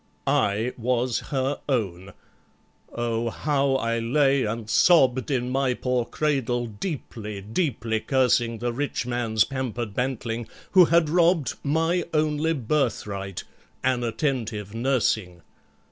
"I was her own. Oh! how I lay and sobbed In my poor cradle—deeply, deeply cursing The rich man's pampered bantling, who had robbed My only birthright—an attentive nursing!